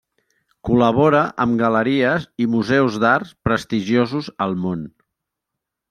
Col·labora amb galeries i museus d'art prestigiosos al món.